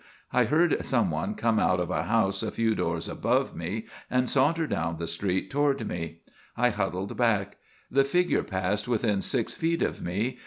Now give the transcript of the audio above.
I heard someone come out of a house a few doors above me and saunter down the street toward me. I huddled back. The figure passed within six feet of me.